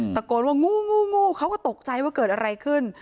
ตะโกนว่างูเขาก็ตกใจว่าเกิดอะไรขึ้น